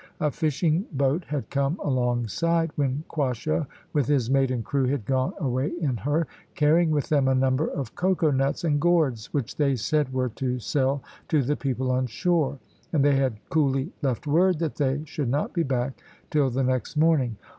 A fishing boat had come alongside, when Quasho with his mate and crew had gone away in her, carrying with them a number of cocoa nuts and gourds, which they said were to sell to the people on shore; and they had coolly left word that they should not be back till the next morning.